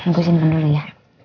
tunggu sini dulu ya